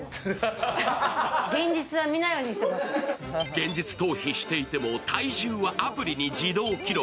現実逃避していても、体重はアプリに自動記録。